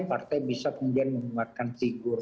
partai bisa kemudian menguatkan figur